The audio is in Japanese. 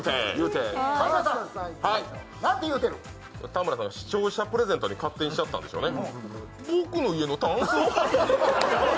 田村さん、視聴者プレゼントに勝手にしちゃったんでしょうね。